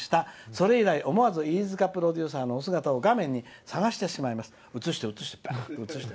それ以来、思わず飯塚プロデューサーのお姿を探してしまいます。